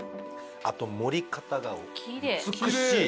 あと盛り方が美しい。